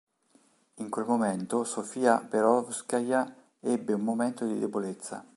In quel momento Sof'ja Perovskaja ebbe un momento di debolezza.